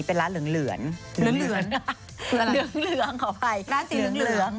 เป็นร้านเหลือง